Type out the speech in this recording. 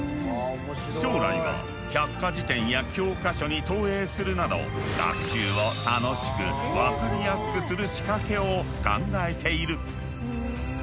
将来は百科事典や教科書に投影するなど学習を楽しく分かりやすくする仕掛けを考えている。